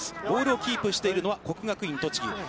ボールをキープしているのは、国学院栃木。